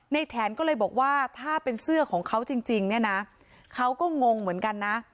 แถนก็เลยบอกว่าถ้าเป็นเสื้อของเขาจริงเนี่ยนะเขาก็งงเหมือนกันนะ